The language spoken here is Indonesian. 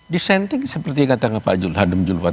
dissenting seperti yang katakan pak julfad